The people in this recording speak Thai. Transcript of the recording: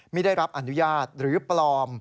ไม่ได้รับอนุญาตหรือปลอม